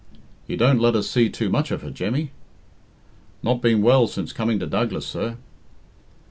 '' "You don't let us see too much of her, Jemmy." "Not been well since coming to Douglas, sir."